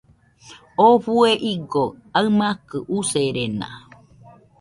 Oo jue igoɨ aimakɨ userena.